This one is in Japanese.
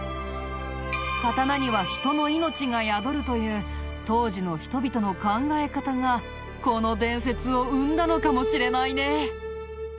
「刀には人の命が宿る」という当時の人々の考え方がこの伝説を生んだのかもしれないね。